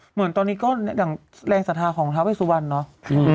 เหมือนตอนนี้ก็แหล่งสาธารณ์ของท้าเวสวรรณเนอะ